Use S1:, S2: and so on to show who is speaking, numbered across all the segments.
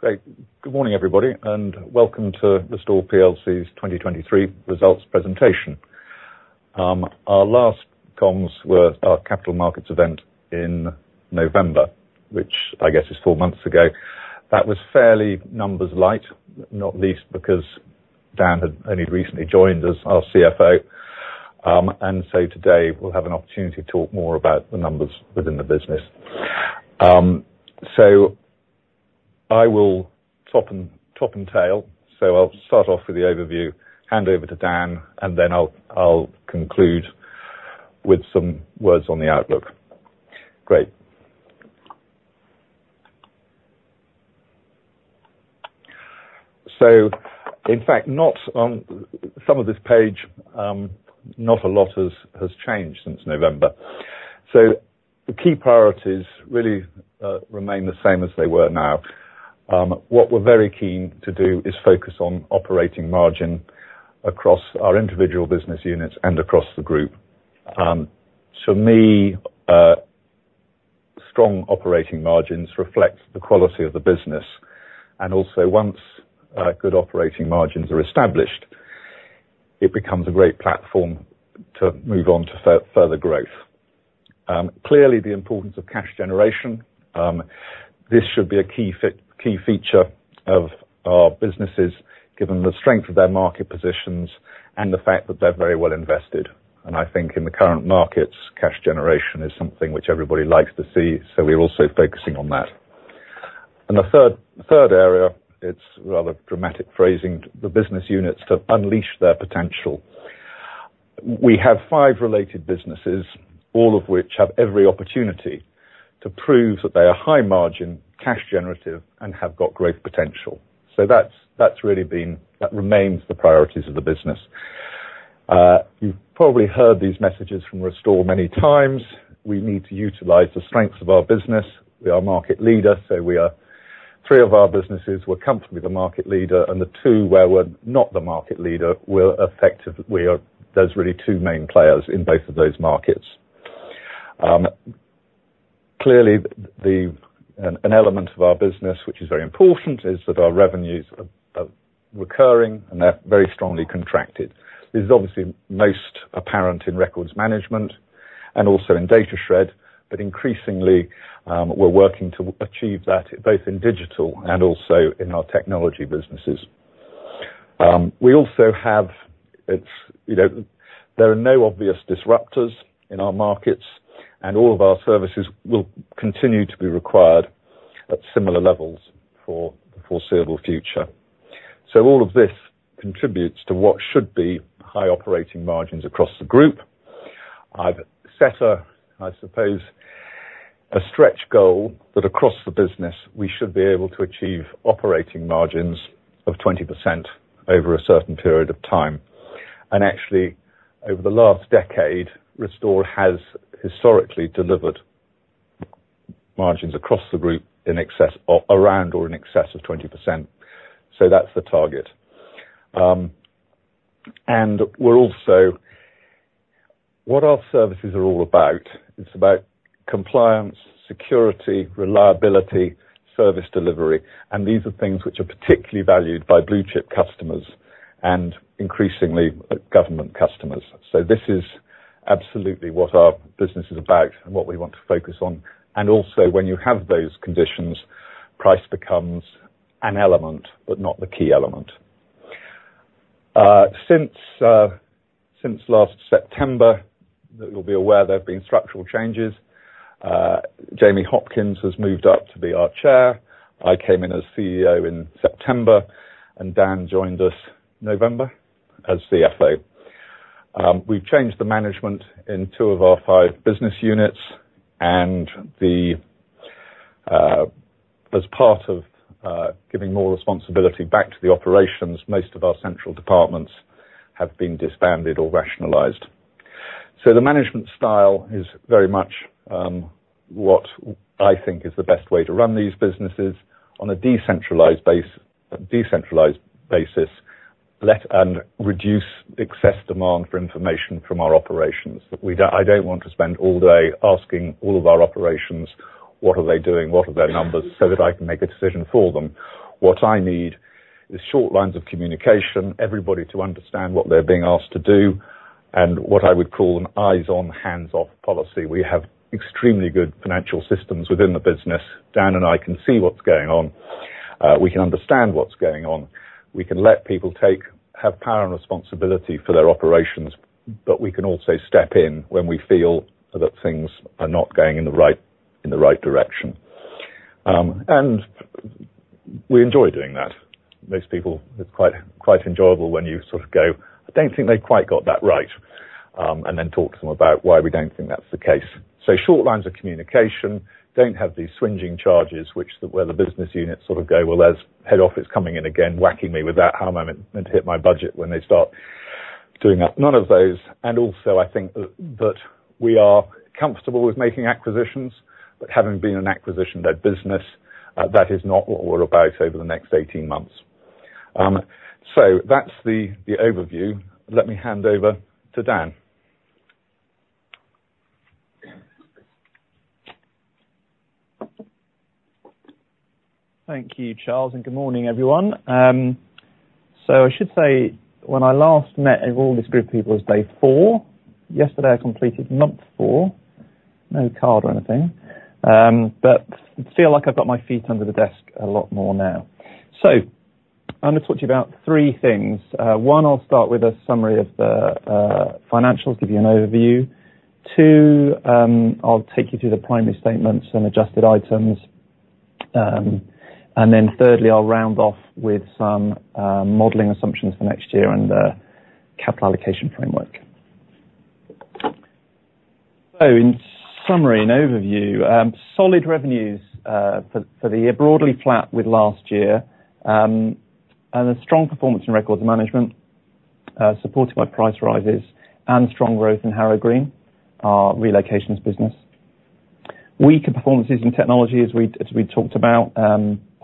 S1: Great. Good morning, everybody, and welcome to Restore plc's 2023 results presentation. Our last comms were our Capital Markets Event in November, which I guess is four months ago. That was fairly numbers light, not least because Dan had only recently joined as our CFO. And so today we'll have an opportunity to talk more about the numbers within the business. So I will top and tail. I'll start off with the overview, hand over to Dan, and then I'll conclude with some words on the outlook. Great. So in fact, not on some of this page, not a lot has changed since November. So the key priorities really remain the same as they were now. What we're very keen to do is focus on operating margin across our individual business units and across the group. To me, strong operating margins reflect the quality of the business, and also once good operating margins are established, it becomes a great platform to move on to further growth. Clearly, the importance of cash generation, this should be a key feature of our businesses, given the strength of their market positions and the fact that they're very well invested. And I think in the current markets, cash generation is something which everybody likes to see, so we're also focusing on that. And the third area, it's rather dramatic phrasing, the business units to unleash their potential. We have five related businesses, all of which have every opportunity to prove that they are high margin, cash generative, and have got great potential. So that's really been, that remains the priorities of the business. You've probably heard these messages from Restore many times. We need to utilize the strengths of our business. We are market leader, so we are. Three of our businesses, we're comfortably the market leader, and the two where we're not the market leader, we're effective. There are really two main players in both of those markets. Clearly, an element of our business, which is very important, is that our revenues are recurring, and they're very strongly contracted. This is obviously most apparent in Records Management and also in Datashred, but increasingly, we're working to achieve that, both in Digital and also in our Technology businesses. We also have, it's, you know, there are no obvious disruptors in our markets, and all of our services will continue to be required at similar levels for the foreseeable future. So all of this contributes to what should be high operating margins across the group. I've set a, I suppose, a stretch goal that across the business, we should be able to achieve operating margins of 20% over a certain period of time. And actually, over the last decade, Restore has historically delivered margins across the group in excess of, around or in excess of 20%. So that's the target. And we're also what our services are all about, it's about compliance, security, reliability, service delivery, and these are things which are particularly valued by blue chip customers and increasingly, government customers. So this is absolutely what our business is about and what we want to focus on. And also, when you have those conditions, price becomes an element, but not the key element. Since last September, you'll be aware there have been structural changes. James Hopkins has moved up to be our chair. I came in as CEO in September, and Dan joined us November as CFO. We've changed the management in two of our five business units, and the, as part of, giving more responsibility back to the operations, most of our central departments have been disbanded or rationalized. So the management style is very much, what I think is the best way to run these businesses on a decentralized basis, let and reduce excess demand for information from our operations. We don't, I don't want to spend all day asking all of our operations, what are they doing? What are their numbers? So that I can make a decision for them. What I need is short lines of communication, everybody to understand what they're being asked to do, and what I would call an eyes on, hands off policy. We have extremely good financial systems within the business. Dan and I can see what's going on, we can understand what's going on. We can let people take, have power and responsibility for their operations, but we can also step in when we feel that things are not going in the right, in the right direction. We enjoy doing that. Most people, it's quite enjoyable when you sort of go, "I don't think they quite got that right," and then talk to them about why we don't think that's the case. So short lines of communication, don't have these swingeing charges, which the, where the business units sort of go, "Well, there's head office coming in again, whacking me with that hammer. I'm meant to hit my budget when they start doing that." None of those. And also, I think that, that we are comfortable with making acquisitions, but having been an acquisition-led business, that is not what we're about over the next 18 months. So that's the, the overview. Let me hand over to Dan.
S2: Thank you, Charles, and good morning, everyone. So I should say, when I last met with all this group of people, it was day four. Yesterday, I completed month four. No card or anything, but feel like I've got my feet under the desk a lot more now. So I'm gonna talk to you about three things. One, I'll start with a summary of the, financials, give you an overview. Two, I'll take you through the primary statements and adjusted items. And then thirdly, I'll round off with some, modeling assumptions for next year and, capital allocation framework. So in summary and overview, solid revenues, for, for the year, broadly flat with last year. And a strong performance in Records Management, supported by price rises and strong growth in Harrow Green, our relocations business. Weaker performances in Technology as we talked about,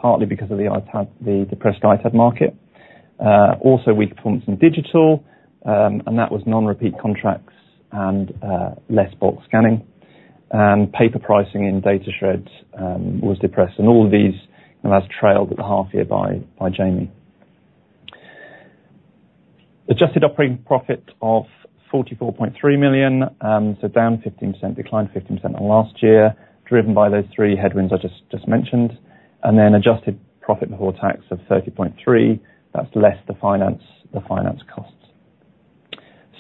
S2: partly because of the ITAD, the depressed ITAD market. Also weak performance in Digital, and that was non-repeat contracts and less bulk scanning. And paper pricing in DataShred was depressed, and all of these as trailed at the half year by Jamie. Adjusted operating profit of 44.3 million, so down 15%, declined 15% than last year, driven by those three headwinds I just mentioned. And then adjusted profit before tax of 30.3. That's less the finance costs.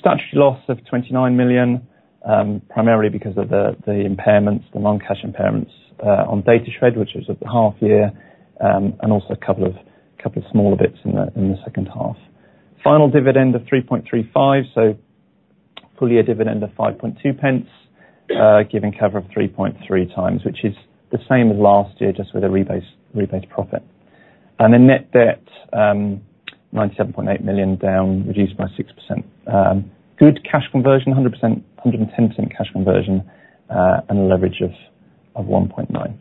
S2: Statutory loss of 29 million, primarily because of the impairments, the non-cash impairments on DataShred, which was at the half year, and also a couple of smaller bits in the second half. Final dividend of 0.0335, so full year dividend of 0.052, giving cover of 3.3 times, which is the same as last year, just with a rebase, rebased profit. And the net debt, 97.8 million down, reduced by 6%. Good cash conversion, 110% cash conversion, and a leverage of 1.9.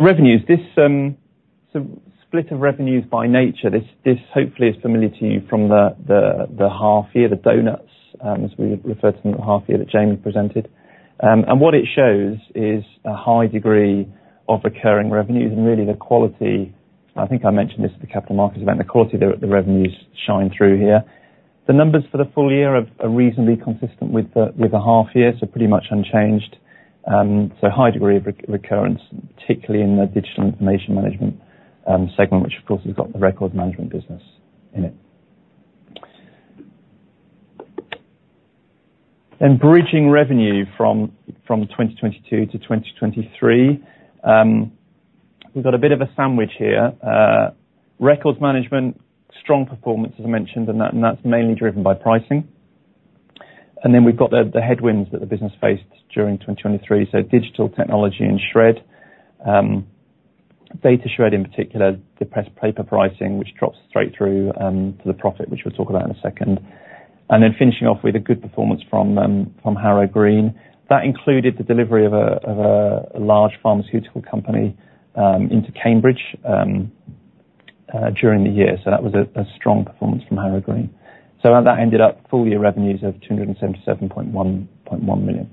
S2: Revenues, this sort of split of revenues by nature, this hopefully is familiar to you from the half year, the donuts, as we referred to them in the half year that Jamie presented. And what it shows is a high degree of recurring revenues and really the quality... I think I mentioned this at the Capital Markets Event, the quality of the revenues shine through here. The numbers for the full year are reasonably consistent with the half year, so pretty much unchanged. So high degree of recurrence, particularly in the Digital information management segment, which, of course, has got the Records Management business in it. Then bridging revenue from 2022 to 2023. We've got a bit of a sandwich here. Records Management, strong performance, as I mentioned, and that's mainly driven by pricing. And then we've got the headwinds that the business faced during 2023. So Digital, Technology and Shred, Datashred in particular, depressed paper pricing, which drops straight through to the profit, which we'll talk about in a second. And then finishing off with a good performance from Harrow Green. That included the delivery of a large pharmaceutical company into Cambridge during the year. So that was a strong performance from Harrow Green. So that ended up full year revenues of 277.1 million.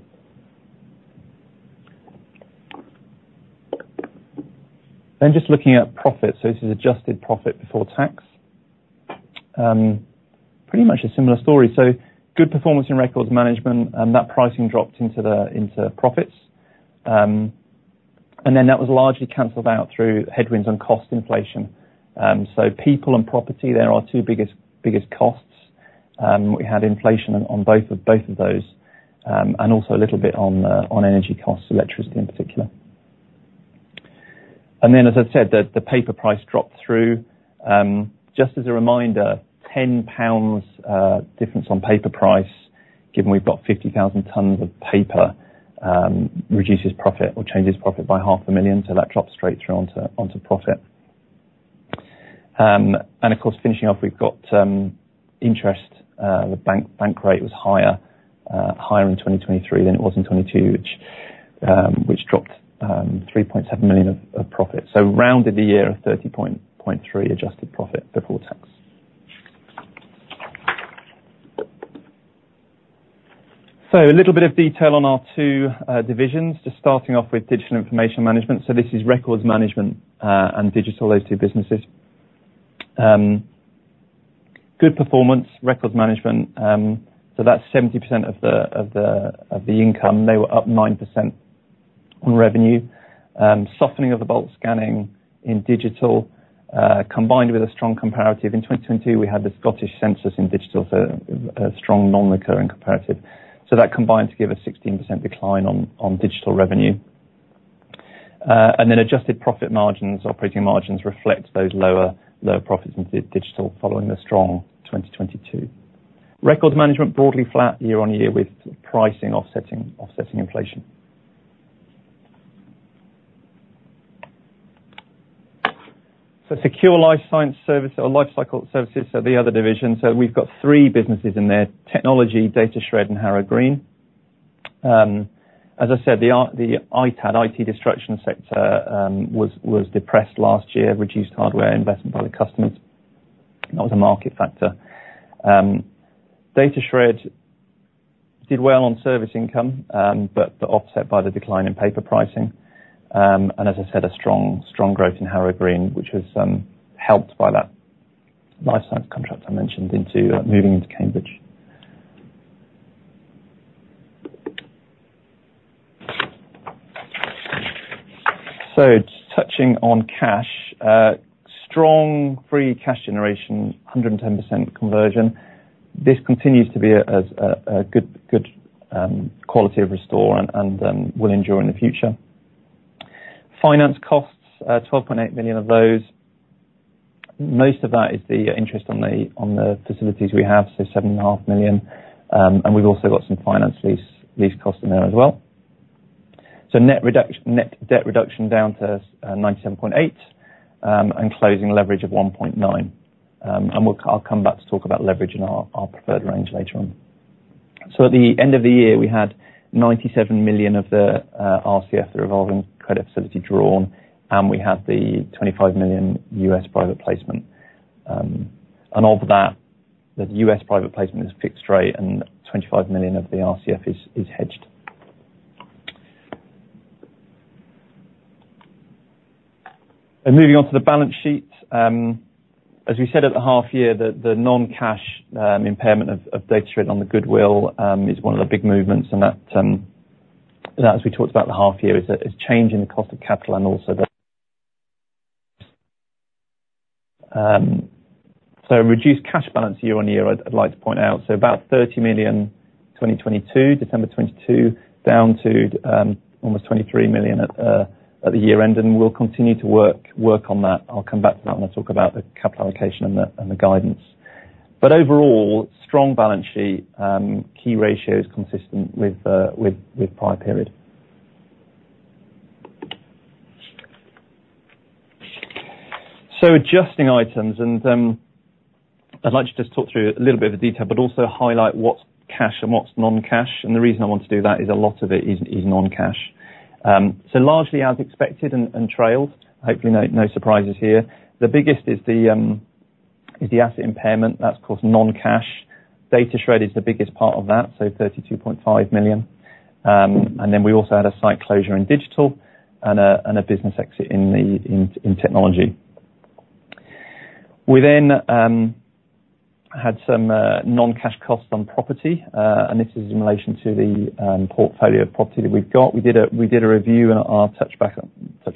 S2: Then just looking at profits. So this is Adjusted Profit Before Tax. Pretty much a similar story. So good performance in Records Management, and that pricing dropped into the into profits. And then that was largely canceled out through headwinds and cost inflation. So people and property, there are our two biggest biggest costs. We had inflation on both of both of those, and also a little bit on on energy costs, electricity in particular. And then, as I said, the the paper price dropped through. Just as a reminder, 10 pounds difference on paper price, given we've got 50,000 tons of paper, reduces profit or changes profit by 0.5 million, so that drops straight through onto profit. And of course, finishing off, we've got interest, the bank rate was higher, higher in 2023 than it was in 2022, which dropped three point seven million of profit. So rounded the year of 30.3 adjusted profit before tax. So a little bit of detail on our two divisions, just starting off with Digital information management. So this is Records Management and Digital, those two businesses. Good performance, Records Management, so that's 70% of the income. They were up 9% on revenue. Softening of the bulk scanning in Digital, combined with a strong comparative. In 2022, we had the Scottish census in Digital, so a strong non-recurring comparative. So that combined to give a 16% decline on Digital revenue. And then adjusted profit margins, operating margins reflect those lower profits in Digital following the strong 2022. Records Management broadly flat year-on-year, with pricing offsetting inflation. So Secure Lifecycle Services are the other divisions. So we've got three businesses in there: Technology, Datashred and Harrow Green. As I said, the ITAD, IT destruction sector, was depressed last year, reduced hardware investment by the customers. That was a market factor. Datashred did well on service income, but offset by the decline in paper pricing. And as I said, a strong, strong growth in Harrow Green, which was helped by that life science contract I mentioned into moving into Cambridge. So touching on cash, strong free cash generation, 110% conversion. This continues to be a good, good quality of Restore and will endure in the future. Finance costs, 12.8 million of those. Most of that is the interest on the facilities we have, so 7.5 million. And we've also got some finance lease costs in there as well. So net debt reduction down to 97.8 million and closing leverage of 1.9. And we'll, I'll come back to talk about leverage in our preferred range later on. So at the end of the year, we had 97 million of the RCF, the revolving credit facility, drawn, and we had the 25 million US private placement. And of that, the US private placement is fixed rate, and 25 million of the RCF is hedged. And moving on to the balance sheet, as we said at the half year, the non-cash impairment of Datashred on the goodwill is one of the big movements, and that, as we talked about the half year, is changing the cost of capital and also the so reduced cash balance year-on-year, I'd like to point out. So about 30 million, 2022, December 2022, down to almost 23 million at the year end, and we'll continue to work on that. I'll come back to that when I talk about the capital allocation and the guidance. But overall, strong balance sheet, key ratio is consistent with prior period. So adjusting items, and I'd like to just talk through a little bit of the detail, but also highlight what's cash and what's non-cash. And the reason I want to do that is a lot of it is non-cash. So largely as expected and trailed, hopefully no surprises here. The biggest is the asset impairment. That's, of course, non-cash. Datashred is the biggest part of that, so 32.5 million. And then we also had a site closure in Digital and a business exit in Technology. We then had some non-cash costs on property, and this is in relation to the portfolio of property that we've got. We did a review, and I'll touch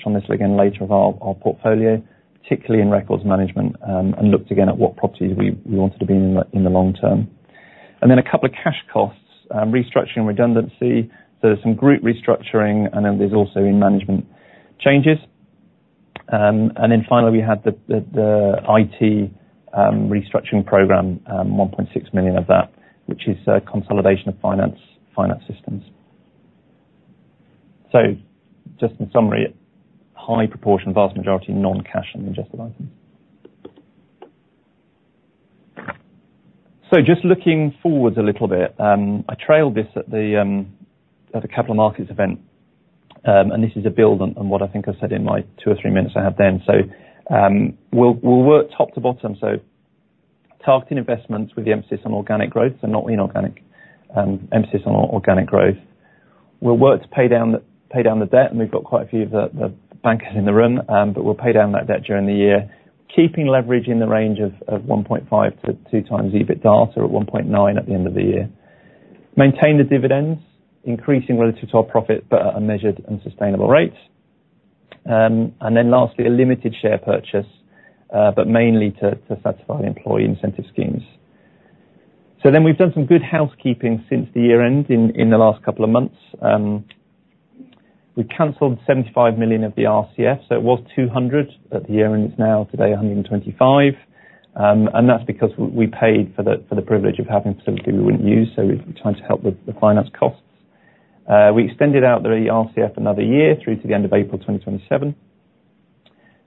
S2: on this again later of our portfolio, particularly in Records Management, and looked again at what properties we wanted to be in in the long term. And then a couple of cash costs, restructuring redundancy. So there's some group restructuring, and then there's also in management changes. And then finally, we had the IT restructuring program, 1.6 million of that, which is a consolidation of finance systems. So just in summary, high proportion, vast majority, non-cash in the adjusted items. So just looking forward a little bit, I trailed this at the, at the Capital Markets Event, and this is a build on, on what I think I said in my 2 or 3 minutes I had then. So, we'll, we'll work top to bottom, so targeting investments with the emphasis on organic growth and not inorganic, emphasis on organic growth. We'll work to pay down the, pay down the debt, and we've got quite a few of the, the bankers in the room, but we'll pay down that debt during the year. Keeping leverage in the range of, of 1.5 to 2x EBITDA, so at 1.9 at the end of the year. Maintain the dividends, increasing relative to our profit, but at a measured and sustainable rate. And then lastly, a limited share purchase, but mainly to satisfy employee incentive schemes. So then we've done some good housekeeping since the year end in the last couple of months. We canceled 75 million of the RCF, so it was 200 million at the year end, it's now today 125 million. And that's because we paid for the privilege of having facility we wouldn't use, so we're trying to help with the finance costs. We extended out the RCF another year through to the end of April 2027.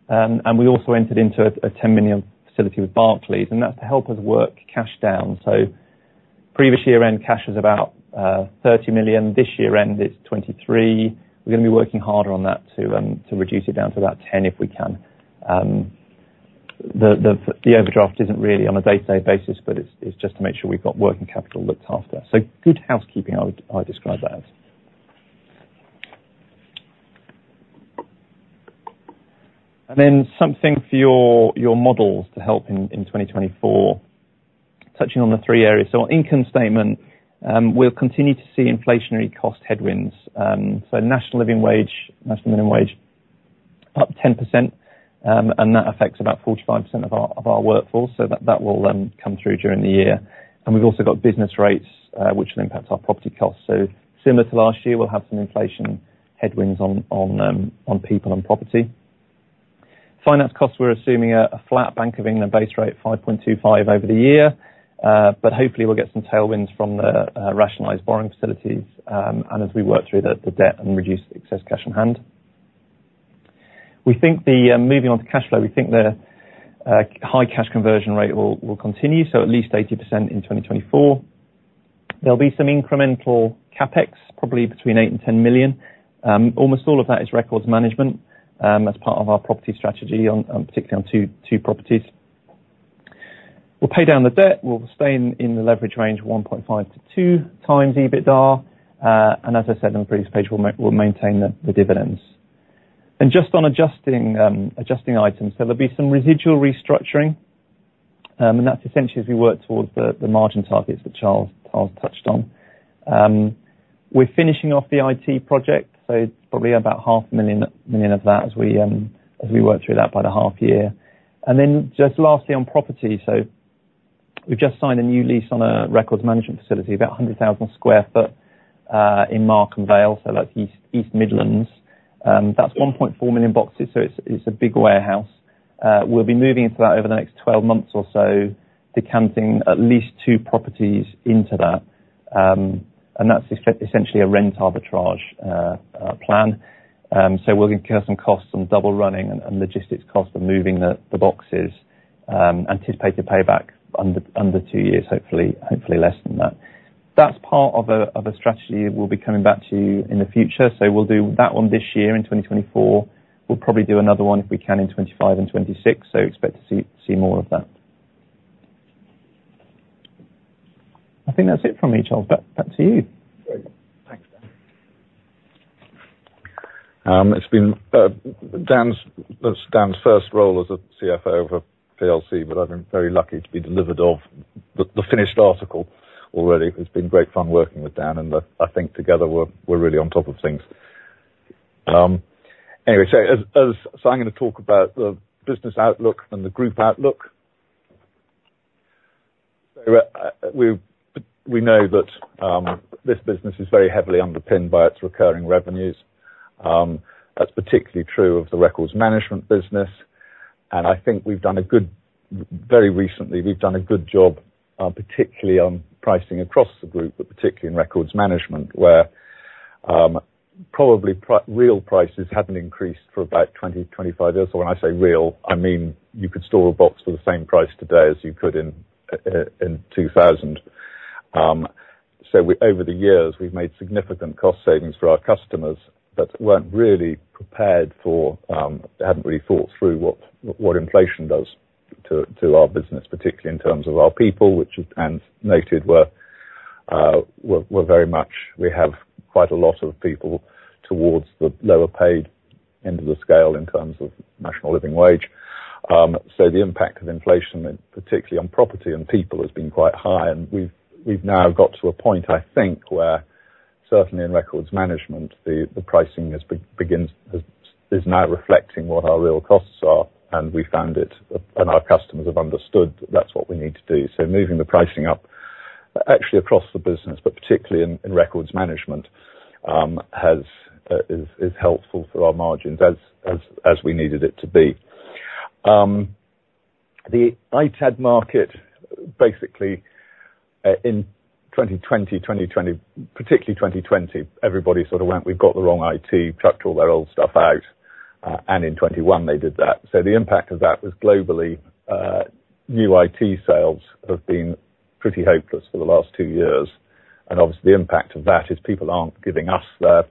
S2: And we also entered into a 10 million facility with Barclays, and that's to help us work cash down. So previous year-end cash was about 30 million. This year-end, it's 23 million. We're gonna be working harder on that to, to reduce it down to about 10 if we can. The overdraft isn't really on a day-to-day basis, but it's just to make sure we've got working capital looked after. So good housekeeping, I would—I'd describe that as. And then something for your models to help in 2024, touching on the three areas. So income statement, we'll continue to see inflationary cost headwinds. So national living wage, national minimum wage, up 10%, and that affects about 45% of our workforce. So that will come through during the year. And we've also got business rates, which will impact our property costs. So similar to last year, we'll have some inflation headwinds on people and property. Finance costs, we're assuming a flat Bank of England base rate, 5.25 over the year, but hopefully we'll get some tailwinds from the rationalized borrowing facilities, and as we work through the debt and reduce excess cash on hand. We think moving on to cash flow, we think the high cash conversion rate will continue, so at least 80% in 2024. There'll be some incremental CapEx, probably between 8 million and 10 million. Almost all of that is Records Management, as part of our property strategy, particularly on two properties. We'll pay down the debt, we'll stay in the leverage range 1.5 to 2x EBITDA. And as I said on the previous page, we'll maintain the dividends. Just on adjusting, adjusting items, there'll be some residual restructuring, and that's essentially as we work towards the, the margin targets that Charles, Charles touched on. We're finishing off the IT project, so it's probably about 0.5 million to 1 million of that as we, as we work through that by the half year. Then just lastly, on property, so we've just signed a new lease on a Records Management facility, about 100,000 sq ft, in Markham Vale, so that's East, East Midlands. That's 1.4 million boxes, so it's, it's a big warehouse. We'll be moving into that over the next 12 months or so, decanting at least two properties into that. And that's essentially a rent arbitrage plan. So we'll incur some costs on double running and logistics costs of moving the boxes, anticipate a payback under two years, hopefully less than that. That's part of a strategy we'll be coming back to you in the future. So we'll do that one this year in 2024. We'll probably do another one, if we can, in 2025 and 2026. So expect to see more of that. I think that's it from me, Charles. Back to you.
S1: Great. Thanks, Dan. It's been, that's Dan's first role as a CFO of a PLC, but I've been very lucky to be delivered off the, the finished article already. It's been great fun working with Dan, and I think together, we're really on top of things. Anyway, so I'm gonna talk about the business outlook and the group outlook. So, we know that this business is very heavily underpinned by its recurring revenues. That's particularly true of the Records Management business, and I think we've done a good... Very recently, we've done a good job, particularly on pricing across the group, but particularly in Records Management, where probably real prices haven't increased for about 20 to 25 years. So when I say real, I mean, you could store a box for the same price today as you could in 2000. So over the years, we've made significant cost savings for our customers, but weren't really prepared for, hadn't really thought through what inflation does to our business, particularly in terms of our people, which Dan noted, we're very much we have quite a lot of people towards the lower paid end of the scale in terms of National Living Wage. So the impact of inflation, particularly on property and people, has been quite high, and we've now got to a point, I think, where certainly in Records Management, the pricing is now reflecting what our real costs are, and we found it, and our customers have understood that's what we need to do. So moving the pricing up, actually across the business, but particularly in Records Management, is helpful for our margins as we needed it to be. The ITAD market, basically, in 2020, particularly 2020, everybody sort of went, "We've got the wrong IT," chucked all their old stuff out, and in 2021 they did that. So the impact of that was globally, new IT sales have been pretty hopeless for the last two years, and obviously, the impact of that is people aren't giving us their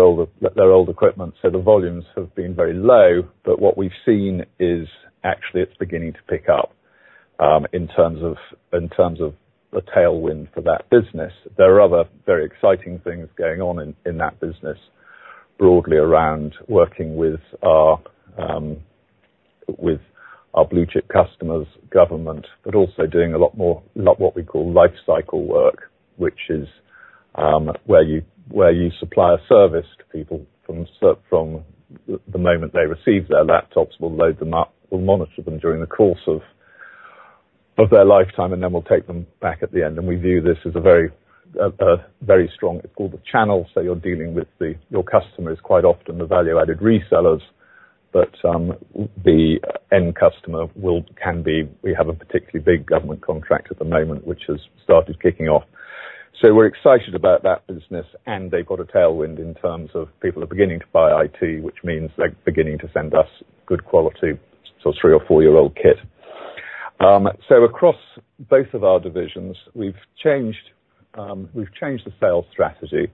S1: old equipment, so the volumes have been very low, but what we've seen is actually it's beginning to pick up in terms of the tailwind for that business. There are other very exciting things going on in that business, broadly around working with our blue chip customers, government, but also doing a lot more, lot what we call life cycle work, which is where you supply a service to people from the moment they receive their laptops, we'll load them up, we'll monitor them during the course of their lifetime, and then we'll take them back at the end. And we view this as a very, very strong. It's called a channel, so you're dealing with the, your customers, quite often the value-added resellers, but, the end customer will, can be. We have a particularly big government contract at the moment, which has started kicking off. So we're excited about that business, and they've got a tailwind in terms of people are beginning to buy IT, which means they're beginning to send us good quality, so three or four year-old kit. So across both of our divisions, we've changed, we've changed the sales strategy,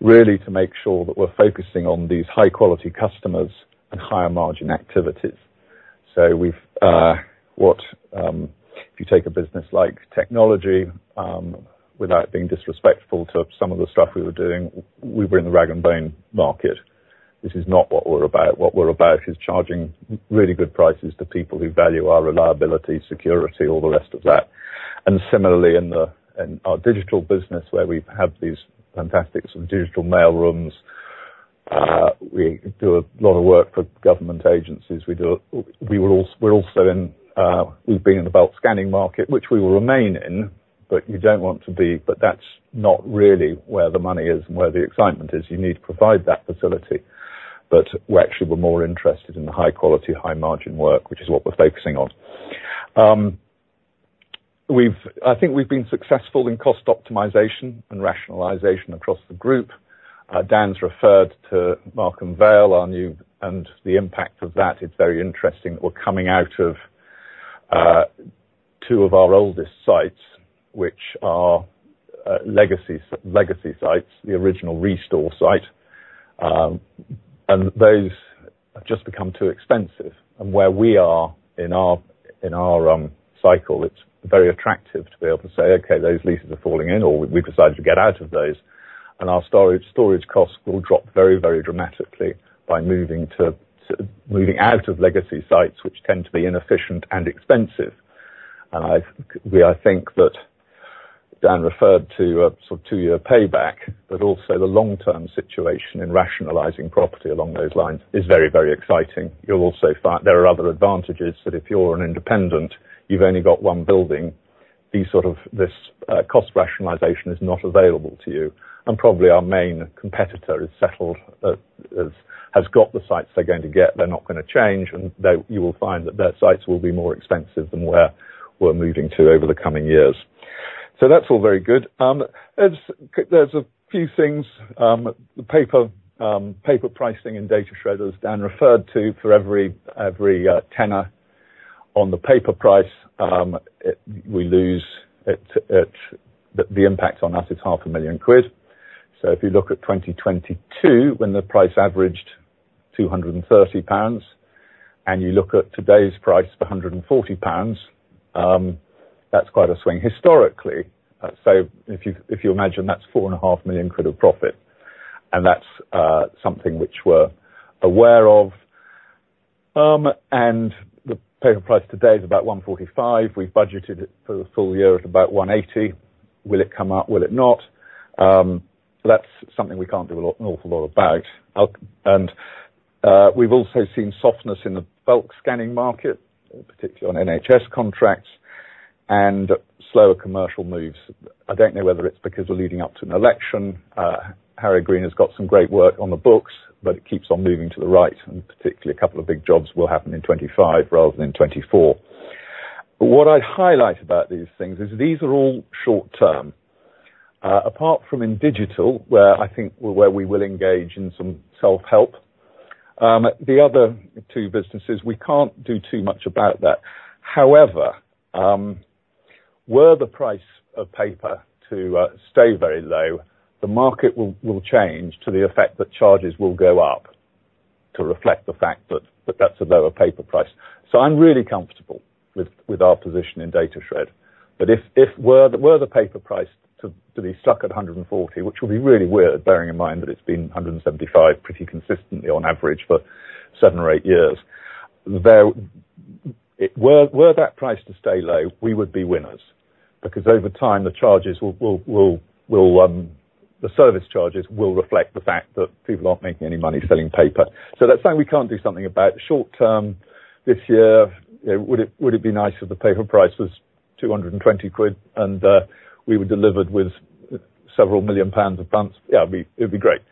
S1: really to make sure that we're focusing on these high-quality customers and higher margin activities. So we've, if you take a business like Technology, without being disrespectful to some of the stuff we were doing, we were in the rag and bone market. This is not what we're about. What we're about is charging really good prices to people who value our reliability, security, all the rest of that. And similarly, in our Digital business, where we've had these fantastic sort of Digital mail rooms, we do a lot of work for government agencies. We're also in, we've been in the bulk scanning market, which we will remain in, but you don't want to, but that's not really where the money is and where the excitement is. You need to provide that facility, but we're actually, we're more interested in the high quality, high margin work, which is what we're focusing on. I think we've been successful in cost optimization and rationalization across the group. Dan's referred to Markham Vale, our new, and the impact of that, it's very interesting. We're coming out of two of our oldest sites, which are legacy sites, the original Restore site. And those have just become too expensive. And where we are in our cycle, it's very attractive to be able to say, "Okay, those leases are falling in," or, "We've decided to get out of those," and our storage costs will drop very, very dramatically by moving out of legacy sites, which tend to be inefficient and expensive. And I think that Dan referred to a sort of two-year payback, but also the long-term situation in rationalizing property along those lines is very, very exciting. You'll also find there are other advantages, that if you're an independent, you've only got one building, these sort of cost rationalization is not available to you, and probably our main competitor is settled, has got the sites they're going to get. They're not gonna change, and you will find that their sites will be more expensive than where we're moving to over the coming years. So that's all very good. There's a few things, the paper pricing and Datashred as Dan referred to for every tenner on the paper price, the impact on us is 500,000 quid. So if you look at 2022, when the price averaged 230 pounds, and you look at today's price of 140 pounds, that's quite a swing. Historically, so if you, if you imagine, that's 4.5 million quid of profit, and that's something which we're aware of. And the paper price today is about 145. We've budgeted it for the full year at about 180. Will it come up? Will it not? That's something we can't do an awful lot about. And we've also seen softness in the bulk scanning market, particularly on NHS contracts, and slower commercial moves. I don't know whether it's because we're leading up to an election. Harrow Green has got some great work on the books, but it keeps on moving to the right, and particularly a couple of big jobs will happen in 2025 rather than in 2024. But what I'd highlight about these things is these are all short term. Apart from in Digital, where I think, where we will engage in some self-help, the other two businesses, we can't do too much about that. However, were the price of paper to stay very low, the market will change to the effect that charges will go up, to reflect the fact that that's a lower paper price. So I'm really comfortable with our position in Datashred. But if the paper price were to be stuck at 140, which would be really weird, bearing in mind that it's been 175 pretty consistently on average for seven or eight years, if that price were to stay low, we would be winners, because over time, the service charges will reflect the fact that people aren't making any money selling paper. So that's something we can't do something about. Short term, this year, would it be nice if the paper price was 220 quid, and we were delivered with several million GBP of funds? Yeah, it'd be great,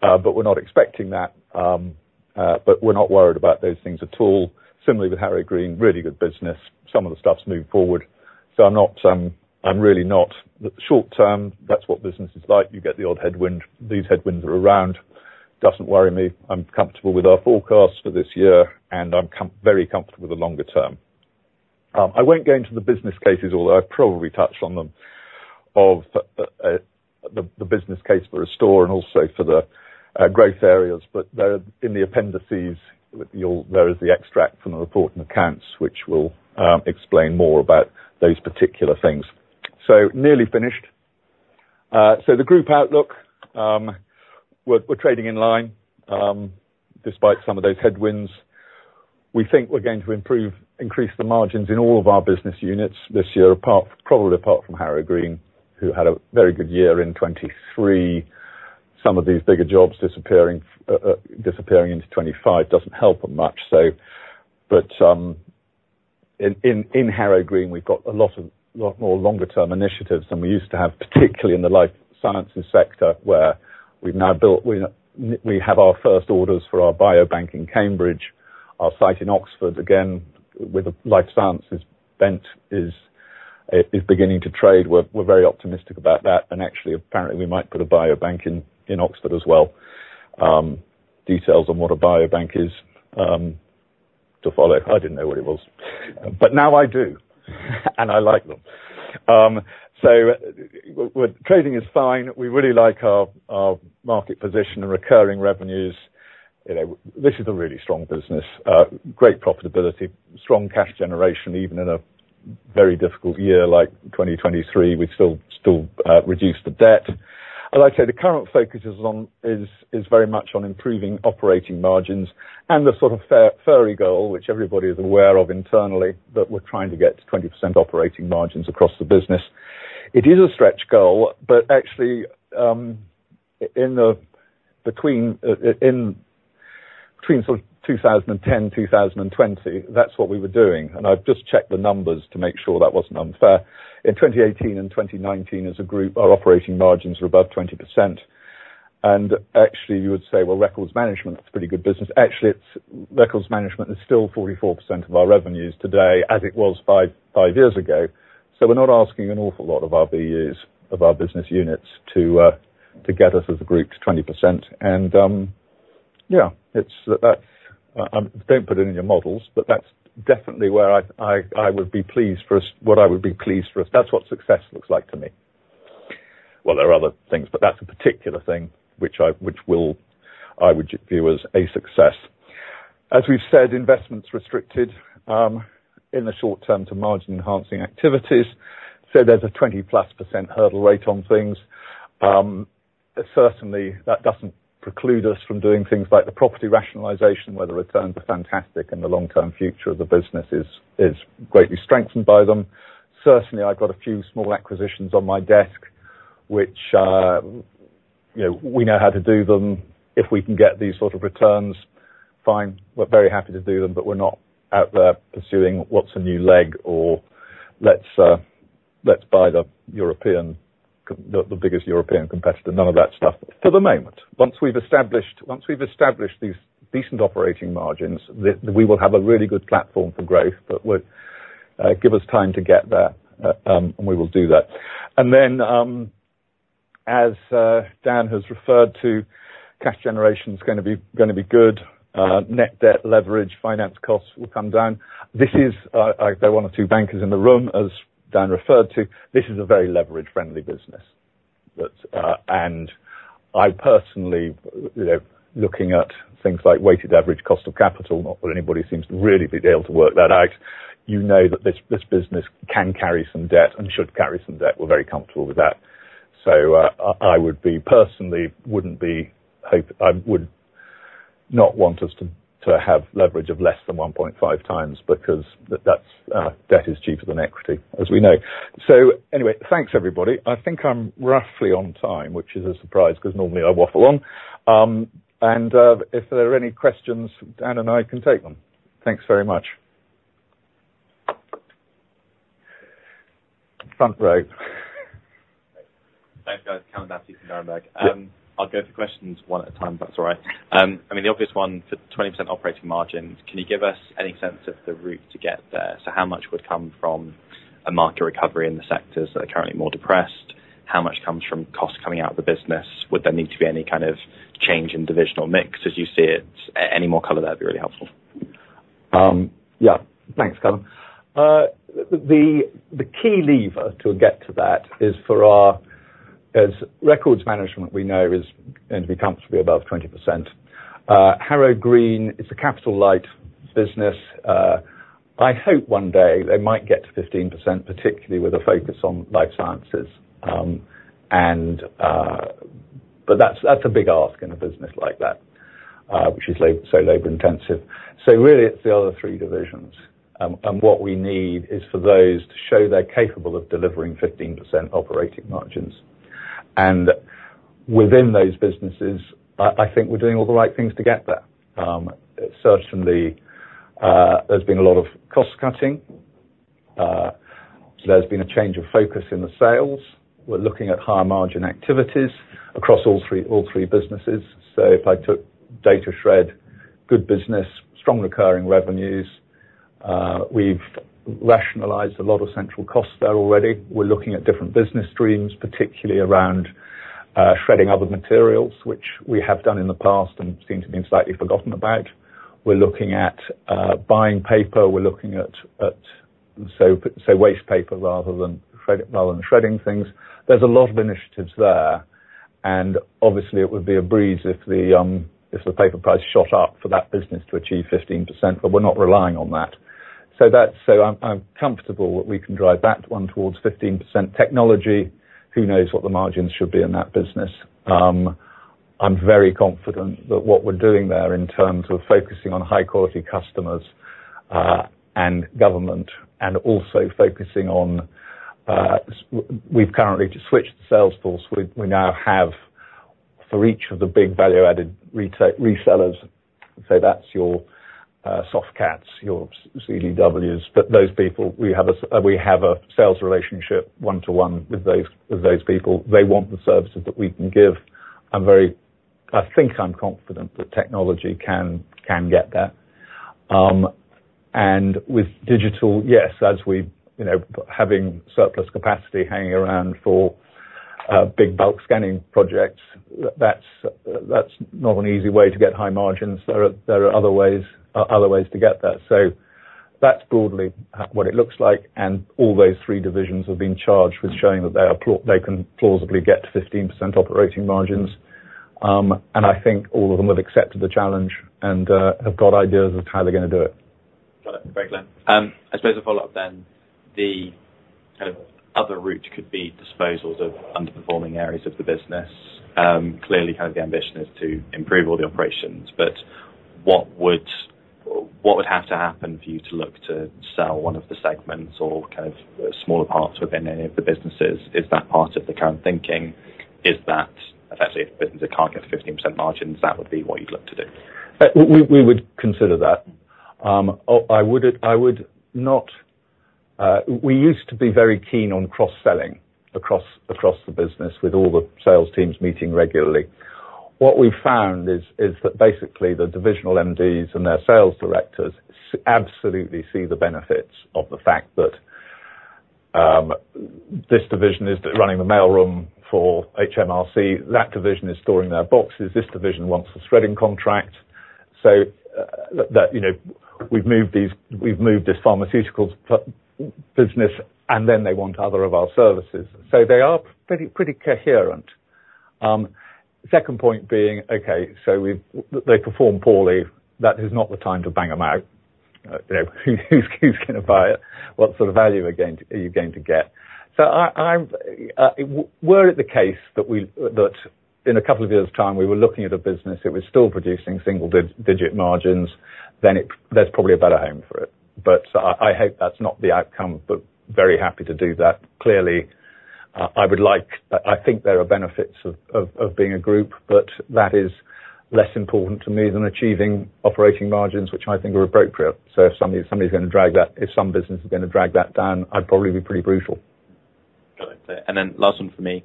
S1: but we're not expecting that, but we're not worried about those things at all. Similarly with Harrow Green, really good business. Some of the stuff's moved forward, so I'm not, I'm really not. The short term, that's what business is like. You get the odd headwind. These headwinds are around, doesn't worry me. I'm comfortable with our forecast for this year, and I'm very comfortable with the longer term. I won't go into the business cases, although I've probably touched on them, of the business case for Restore and also for the growth areas, but they're in the appendices. There is the extract from the report and accounts, which will explain more about those particular things. So nearly finished. So the group outlook, we're trading in line, despite some of those headwinds. We think we're going to improve, increase the margins in all of our business units this year, apart, probably apart from Harrow Green, who had a very good year in 2023. Some of these bigger jobs disappearing into 2025 doesn't help them much, so... But in Harrow Green, we've got a lot of, lot more longer term initiatives than we used to have, particularly in the life sciences sector, where we've now built, we have our first orders for our biobank in Cambridge. Our site in Oxford, again, with a life sciences bent, is beginning to trade. We're very optimistic about that, and actually, apparently, we might put a biobank in Oxford as well. Details on what a biobank is to follow. I didn't know what it was, but now I do, and I like them. So, we're trading is fine. We really like our market position and recurring revenues. You know, this is a really strong business, great profitability, strong cash generation, even in a very difficult year like 2023, we still reduced the debt. As I say, the current focus is very much on improving operating margins and the sort of stretch goal, which everybody is aware of internally, that we're trying to get to 20% operating margins across the business. It is a stretch goal, but actually, in between sort of 2010 and 2020, that's what we were doing, and I've just checked the numbers to make sure that wasn't unfair. In 2018 and 2019, as a group, our operating margins were above 20%. Actually, you would say, "Well, Records Management, that's pretty good business." Actually, it's Records Management is still 44% of our revenues today, as it was 5 years ago. So we're not asking an awful lot of our BUs, of our business units, to get us as a group to 20%. Yeah, it's that, don't put it in your models, but that's definitely where I would be pleased for us—what I would be pleased for us. That's what success looks like to me. Well, there are other things, but that's a particular thing which I've—which will, I would view as a success. As we've said, investment's restricted in the short term to margin-enhancing activities. So there's a 20%+ hurdle rate on things. Certainly, that doesn't preclude us from doing things like the property rationalization, where the returns are fantastic and the long-term future of the business is greatly strengthened by them. Certainly, I've got a few small acquisitions on my desk, which, you know, we know how to do them. If we can get these sort of returns, fine, we're very happy to do them, but we're not out there pursuing what's a new leg or let's let's buy the biggest European competitor. None of that stuff, for the moment. Once we've established these decent operating margins, we will have a really good platform for growth, but we're give us time to get there, and we will do that. And then, as Dan has referred to, cash generation is gonna be good. Net debt leverage, finance costs will come down. This is, there are one or two bankers in the room, as Dan referred to, this is a very leverage-friendly business. That. And I personally, you know, looking at things like weighted average cost of capital, not that anybody seems to really be able to work that out, you know that this, this business can carry some debt and should carry some debt. We're very comfortable with that. So, I would be personally, I would not want us to have leverage of less than 1.5x because that's debt is cheaper than equity, as we know. So anyway, thanks, everybody. I think I'm roughly on time, which is a surprise, because normally I waffle on. If there are any questions, Dan and I can take them. Thanks very much. Front row.
S3: Thanks, guys. Calum Battersby from Berenberg.
S1: Yeah.
S3: I'll go for questions one at a time, if that's all right. I mean, the obvious one, for 20% operating margins, can you give us any sense of the route to get there? So how much would come from a market recovery in the sectors that are currently more depressed? How much comes from costs coming out of the business? Would there need to be any kind of change in divisional mix as you see it? Any more color there would be really helpful.
S2: Yeah. Thanks, Calum. The key lever to get to that is for our—as Records Management we know is going to be comfortably above 20%. Harrow Green is a capital-light business. I hope one day they might get to 15%, particularly with a focus on life sciences. But that's a big ask in a business like that, which is labor intensive. So really, it's the other three divisions. And what we need is for those to show they're capable of delivering 15% operating margins. And within those businesses, I think we're doing all the right things to get there. Certainly, there's been a lot of cost-cutting. There's been a change of focus in the sales. We're looking at higher margin activities across all three, all three businesses. So if I took DataShred, good business, strong recurring revenues, we've rationalized a lot of central costs there already. We're looking at different business streams, particularly around shredding other materials, which we have done in the past and seem to have been slightly forgotten about. We're looking at buying paper. We're looking at waste paper, rather than shredding things. There's a lot of initiatives there, and obviously, it would be a breeze if the paper price shot up for that business to achieve 15%, but we're not relying on that. So that's so I'm comfortable that we can drive that one towards 15%. Technology, who knows what the margins should be in that business? I'm very confident that what we're doing there in terms of focusing on high-quality customers, and government, and also focusing on, we've currently switched the sales force. We now have for each of the big value-added resellers, so that's your Softcat, your CDW, but those people, we have a sales relationship, one-to-one, with those people. They want the services that we can give. I'm very, I think I'm confident that Technology can get there. And with Digital, yes, as we, you know, having surplus capacity hanging around for big bulk scanning projects, that's not an easy way to get high margins. There are, there are other ways, other ways to get that. So that's broadly what it looks like, and all those three divisions have been charged with showing that they can plausibly get to 15% operating margins. And I think all of them have accepted the challenge and have got ideas of how they're gonna do it.
S3: Got it. Great, Dan. I suppose a follow-up then, the kind of other route could be disposals of underperforming areas of the business. Clearly, kind of the ambition is to improve all the operations, but what would have to happen for you to look to sell one of the segments or kind of smaller parts within any of the businesses? Is that part of the current thinking? Is that, effectively, if the business can't get to 15% margins, that would be what you'd look to do?
S1: We would consider that. I wouldn't, I would not. We used to be very keen on cross-selling across the business with all the sales teams meeting regularly. What we found is that basically the divisional MDs and their sales directors absolutely see the benefits of the fact that this division is running the mailroom for HMRC. That division is storing their boxes. This division wants a shredding contract. So, that, you know, we've moved this pharmaceuticals business, and then they want other of our services. So they are pretty coherent. Second point being, they perform poorly. That is not the time to bang them out. You know, who's gonna buy it? What sort of value are you going to get? So if it were the case that in a couple of years' time, we were looking at a business that was still producing single-digit margins, then there's probably a better home for it. But I hope that's not the outcome, but very happy to do that. Clearly, I would like. I think there are benefits of being a group, but that is less important to me than achieving operating margins, which I think are appropriate. So if somebody's gonna drag that down, if some business is gonna drag that down, I'd probably be pretty brutal.
S3: Got it. Then last one for me.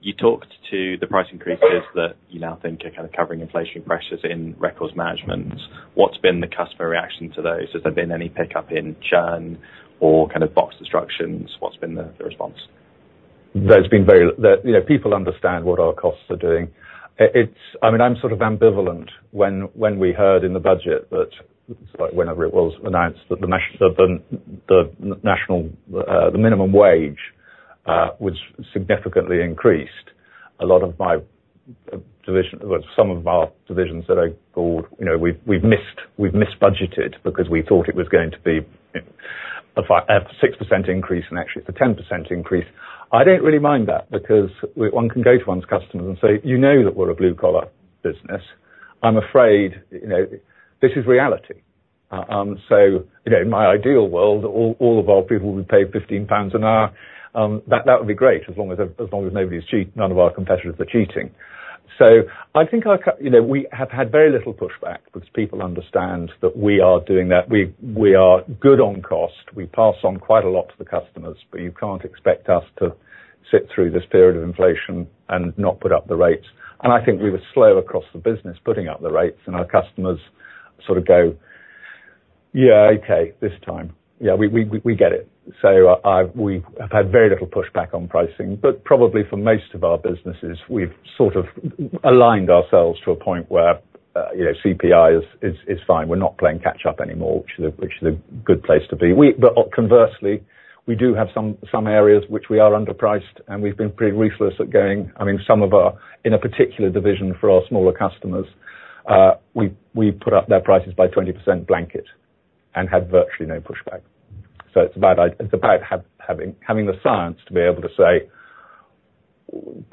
S3: You talked to the price increases that you now think are kind of covering inflationary pressures in Records Management. What's been the customer reaction to those? Has there been any pickup in churn or kind of box destructions? What's been the response?
S1: You know, people understand what our costs are doing. It's. I mean, I'm sort of ambivalent when we heard in the budget that, whenever it was announced, that the National Minimum Wage was significantly increased. A lot of my division. Well, some of our divisions that I called, you know, we've misbudgeted because we thought it was going to be a 6% increase, and actually it's a 10% increase. I don't really mind that, because one can go to one's customers and say, "You know that we're a blue-collar business. I'm afraid, you know, this is reality." So, you know, in my ideal world, all of our people would be paid 15 pounds an hour. That would be great, as long as nobody's cheating—none of our competitors are cheating. So I think you know, we have had very little pushback because people understand that we are doing that. We are good on cost. We pass on quite a lot to the customers, but you can't expect us to sit through this period of inflation and not put up the rates. I think we were slow across the business, putting up the rates, and our customers sort of go, "Yeah, okay, this time. Yeah, we get it." So we have had very little pushback on pricing, but probably for most of our businesses, we've sort of aligned ourselves to a point where, you know, CPI is fine. We're not playing catch up anymore, which is a good place to be. But conversely, we do have some areas which we are underpriced, and we've been pretty ruthless at going... I mean, some of our, in a particular division for our smaller customers, we put up their prices by 20% blanket and had virtually no pushback. So it's about having the science to be able to say,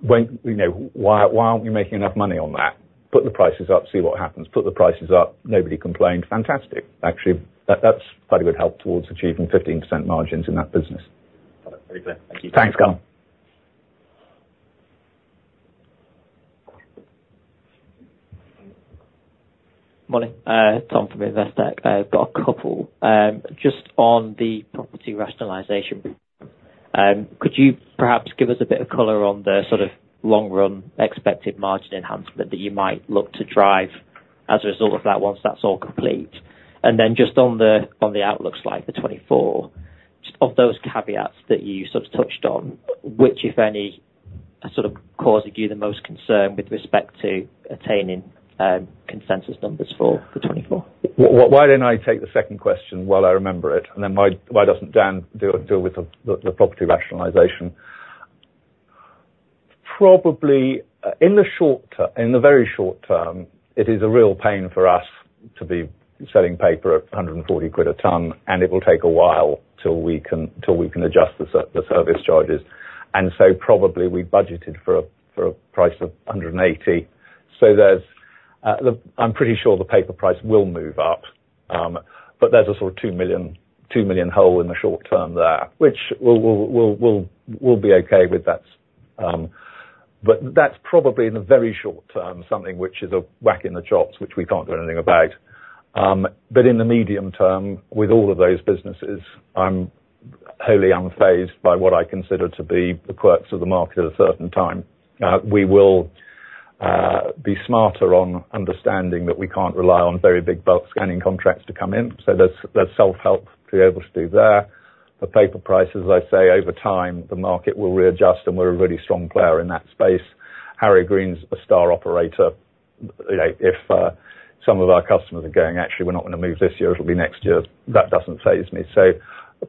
S1: "When, you know, why aren't we making enough money on that? Put the prices up, see what happens." Put the prices up, nobody complained. Fantastic. Actually, that's quite a good help towards achieving 15% margins in that business.
S3: Got it. Very clear. Thank you.
S1: Thanks, Callum.
S4: Morning, Tom from Investec. I've got a couple. Just on the property rationalization, could you perhaps give us a bit of color on the sort of long-run expected margin enhancement that you might look to drive as a result of that once that's all complete? And then just on the, on the outlook slide, the 2024, of those caveats that you sort of touched on, which, if any, are sort of causing you the most concern with respect to attaining, consensus numbers for the 2024?
S1: Why don't I take the second question while I remember it, and then why doesn't Dan deal with the property rationalization? Probably in the short term, in the very short term, it is a real pain for us to be selling paper at 140 quid a ton, and it will take a while till we can adjust the service charges. And so probably we budgeted for a price of 180. So there's the... I'm pretty sure the paper price will move up, but there's a sort of 2 million, 2 million hole in the short term there, which we'll be okay with that. But that's probably in the very short term, something which is a whack in the chops, which we can't do anything about. But in the medium term, with all of those businesses, I'm wholly unfazed by what I consider to be the quirks of the market at a certain time. We will be smarter on understanding that we can't rely on very big bulk scanning contracts to come in, so there's self-help to be able to do there. The paper prices, as I say, over time, the market will readjust, and we're a really strong player in that space. Harrow Green's a star operator. You know, if some of our customers are going, "Actually, we're not going to move this year, it'll be next year," that doesn't faze me. So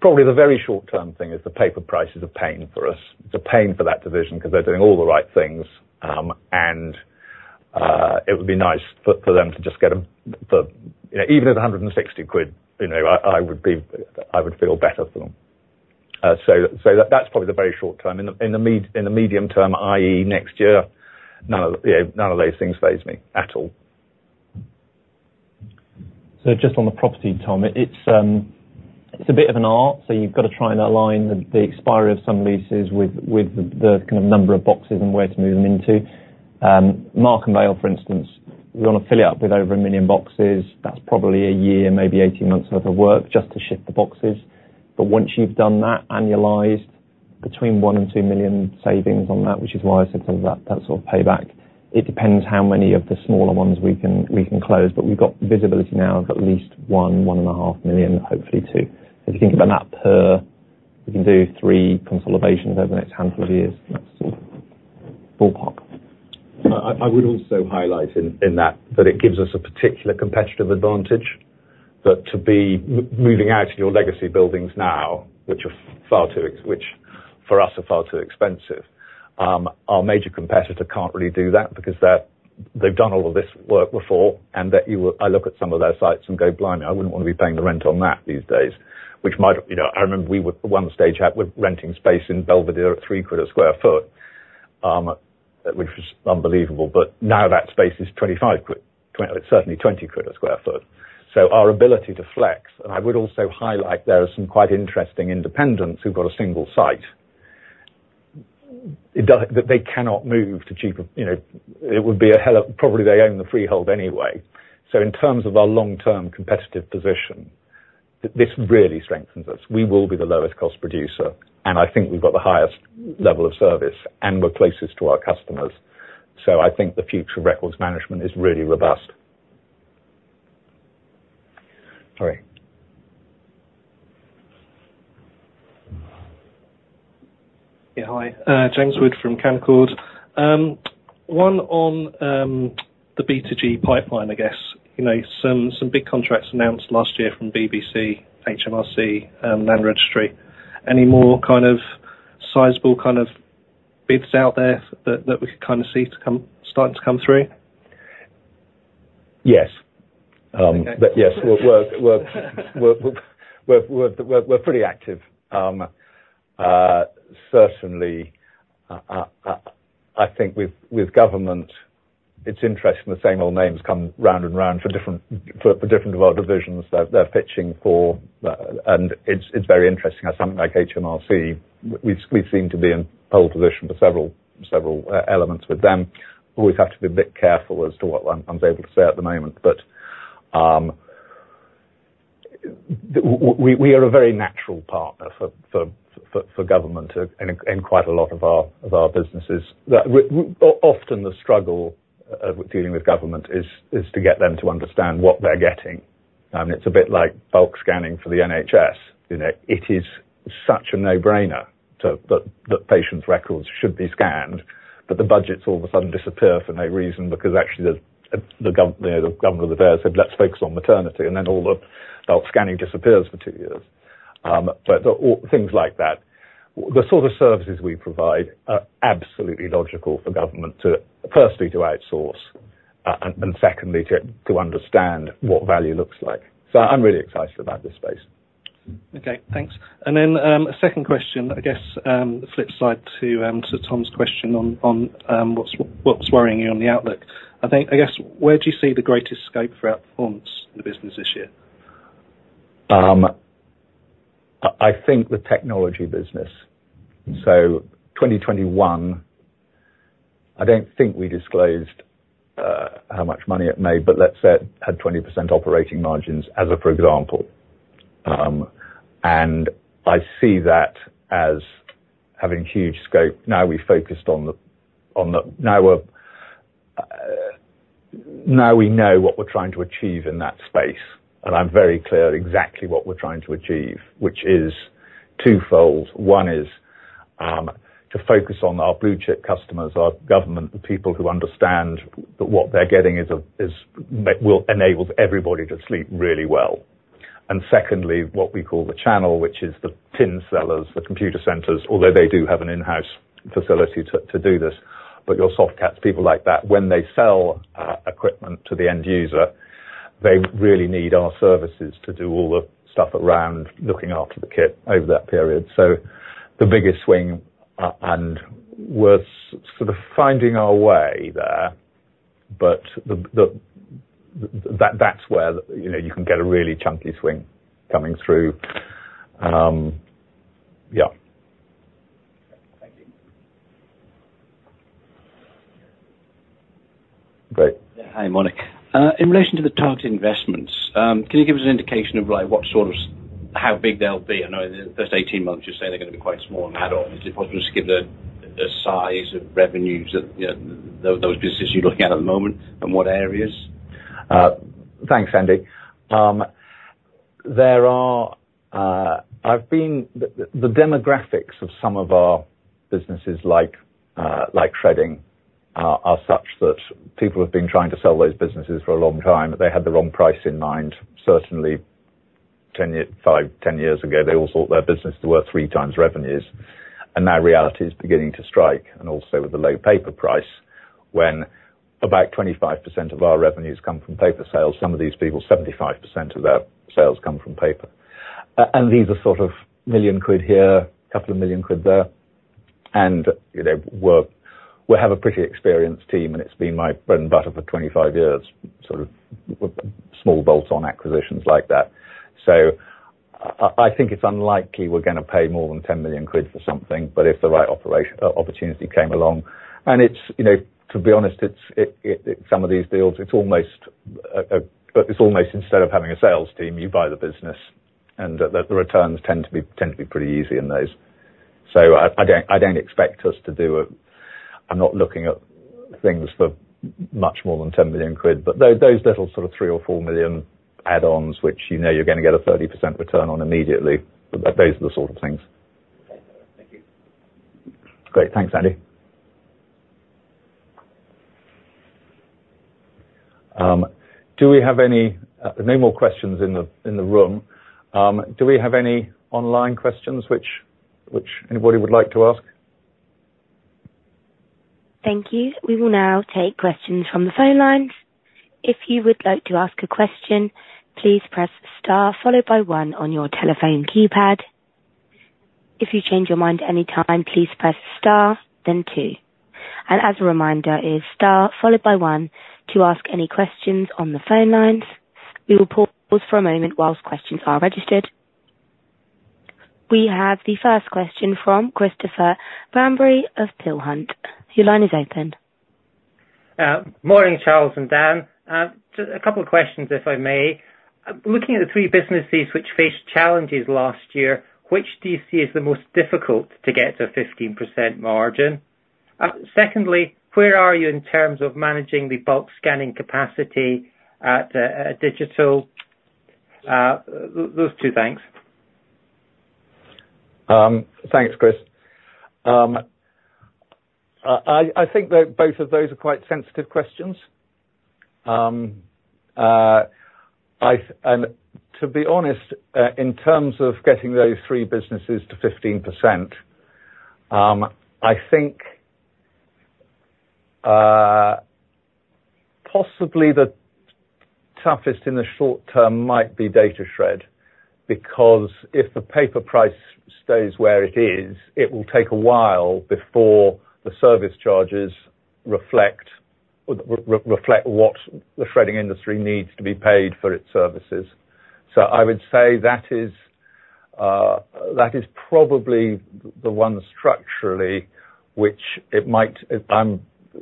S1: probably the very short-term thing is the paper price is a pain for us. It's a pain for that division because they're doing all the right things, and it would be nice for them to just get them the... You know, even at 160 quid, you know, I would feel better for them. So that's probably the very short term. In the medium term, i.e., next year, none of those things faze me at all.
S2: So just on the property, Tom, it's, it's a bit of an art, so you've got to try and align the, the expiry of some leases with, with the kind of number of boxes and where to move them into. Markham Vale, for instance, we want to fill it up with over 1 million boxes. That's probably a year, maybe 18 months worth of work just to shift the boxes. But once you've done that, annualized between £1 million and £2 million savings on that, which is why I said some of that, that sort of payback. It depends how many of the smaller ones we can, we can close, but we've got visibility now of at least £1 million, £1.5 million, hopefully £2 million. If you think about that per, we can do 3 consolidations over the next handful of years. That's ballpark. I would also highlight in that it gives us a particular competitive advantage, that to be moving out of your legacy buildings now, which for us, are far too expensive. Our major competitor can't really do that because they've done all of this work before, and I look at some of their sites and go, "Blimey, I wouldn't want to be paying the rent on that these days," which might, you know. I remember we were at one stage out with renting space in Belvedere at 3 quid/sq ft, which was unbelievable, but now that space is 25 quid. Well, it's certainly 20 quid/sq ft. So our ability to flex, and I would also highlight there are some quite interesting independents who've got a single site. It does that they cannot move to cheaper, you know, it would be a hell of probably, they own the freehold anyway. So in terms of our long-term competitive position, this really strengthens us. We will be the lowest cost producer, and I think we've got the highest level of service, and we're closest to our customers. So I think the future of Records Management is really robust. Sorry.
S5: Yeah, hi. James Wood from Canaccord. One on the B2G pipeline, I guess. You know, some big contracts announced last year from BBC, HMRC, and Land Registry. Any more kind of sizable kind of bids out there that we could kind of see starting to come through?
S1: Yes.
S5: Okay.
S1: But yes, we're pretty active. Certainly, I think with government, it's interesting, the same old names come round and round for different of our divisions that they're pitching for, and it's very interesting. How something like HMRC, we seem to be in pole position for several elements with them. Always have to be a bit careful as to what I'm able to say at the moment, but we are a very natural partner for government and quite a lot of our businesses. That often the struggle with dealing with government is to get them to understand what they're getting. It's a bit like bulk scanning for the NHS. You know, it is such a no-brainer that patients' records should be scanned, but the budgets all of a sudden disappear for no reason, because actually the, you know, the government of the day said, "Let's focus on maternity," and then all the bulk scanning disappears for two years. But all things like that. The sort of services we provide are absolutely logical for government to firstly outsource, and secondly to understand what value looks like. So I'm really excited about this space.
S5: Okay, thanks. And then, a second question, I guess, the flip side to Tom's question on what's worrying you on the outlook. I think, I guess, where do you see the greatest scope for outcomes in the business this year?
S1: I think the Technology business. So 2021, I don't think we disclosed how much money it made, but let's say it had 20% operating margins as a for example. And I see that as having huge scope. Now, we've focused on the-- now we're... Now we know what we're trying to achieve in that space, and I'm very clear exactly what we're trying to achieve, which is twofold. One is to focus on our blue chip customers, our government, the people who understand that what they're getting is a will enable everybody to sleep really well. And secondly, what we call the channel, which is the tin sellers, the Computacenter, although they do have an in-house facility to do this, but your Softcat, people like that, when they sell equipment to the end user, they really need our services to do all the stuff around looking after the kit over that period. So the biggest swing, and we're sort of finding our way there, but the, the, that's where, you know, you can get a really chunky swing coming through. Yeah.
S5: Thank you.
S1: Great.
S6: Hi, Andrew. In relation to the target investments, can you give us an indication of like, what sort of—how big they'll be? I know the first 18 months, you're saying they're gonna be quite small and add on. Is it possible to give the size of revenues that, you know, those businesses you're looking at at the moment, and what areas?
S1: Thanks, Andy. There are demographics of some of our businesses, like shredding, are such that people have been trying to sell those businesses for a long time, but they had the wrong price in mind. Certainly 10 years, 5, 10 years ago, they all thought their business was worth three times revenues, and now reality is beginning to strike, and also with the low paper price, when about 25% of our revenues come from paper sales, some of these people, 75% of their sales come from paper. And these are sort of 1 million quid here, a couple of 2 million quid there, and, you know, we have a pretty experienced team, and it's been my bread and butter for 25 years, sort of, with small bolt-on acquisitions like that. So, I think it's unlikely we're gonna pay more than 10 million quid for something, but if the right opportunity came along. And it's, you know, to be honest, it's, it, it, some of these deals, it's almost instead of having a sales team, you buy the business, and the, the returns tend to be, tend to be pretty easy in those. So, I don't expect us to do a. I'm not looking at things for much more than 10 million quid, but those, those little sort of 3 to 4 million add-ons, which you know you're gonna get a 30% return on immediately, those are the sort of things.
S6: Thank you.
S1: Great. Thanks, Andy. Do we have any? No more questions in the, in the room. Do we have any online questions which, which anybody would like to ask?
S7: Thank you. We will now take questions from the phone lines. If you would like to ask a question, please press star followed by one on your telephone keypad. If you change your mind at any time, please press star, then two. And as a reminder, it is star followed by one to ask any questions on the phone lines. We will pause for a moment while questions are registered. We have the first question from Christopher Bamberry of Peel Hunt. Your line is open.
S8: Morning, Charles and Dan. Just a couple of questions, if I may. Looking at the three businesses which faced challenges last year, which do you see as the most difficult to get to 15% margin? Secondly, where are you in terms of managing the bulk scanning capacity at Digital? Those two things.
S2: Thanks, Chris. I think that both of those are quite sensitive questions. To be honest, in terms of getting those three businesses to 15%, I think possibly the toughest in the short term might be Datashred, because if the paper price stays where it is, it will take a while before the service charges reflect what the shredding industry needs to be paid for its services. So I would say that is probably the one structurally, which it might...